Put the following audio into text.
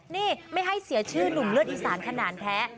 นี่ไม่ให้เสียชื่อหนุ่มเลือดอีสานขนาดแท้